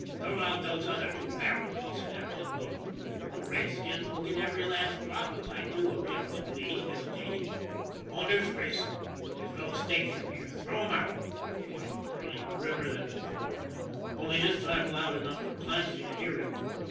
:' Throw out those other two barrels !" he snapped at Lee. 'The redskins will get every last drop if I do," objected Lee, hesitating. " Owner's risk. We've no station here. Throw 'em out !" repeated Perley, grimmer than before, only this time loud enough for Clancy to hear him.